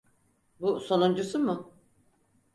Bu sonuncusu mu?